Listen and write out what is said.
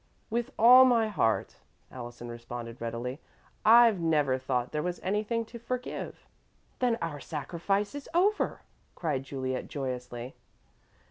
"With all my heart," Allison responded, readily. "I've never thought there was anything to forgive." "Then our sacrifice is over," cried Juliet, joyously.